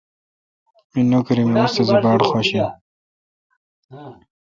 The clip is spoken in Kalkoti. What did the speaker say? می نوکری می استادی باڑخوش این۔